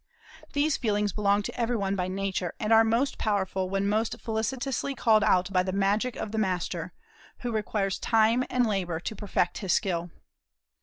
These feelings belong to every one by nature, and are most powerful when most felicitously called out by the magic of the master, who requires time and labor to perfect his skill.